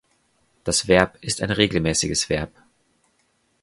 Das Verb ist ein regelmäßiges Verb.